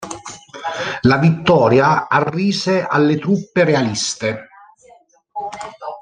La vittoria arrise alle truppe realiste.